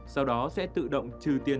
sau đó sẽ tự động trừ tiền